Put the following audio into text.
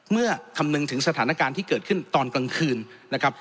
คำนึงถึงสถานการณ์ที่เกิดขึ้นตอนกลางคืนนะครับ